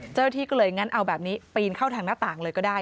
เจ้าหน้าที่ก็เลยงั้นเอาแบบนี้ปีนเข้าทางหน้าต่างเลยก็ได้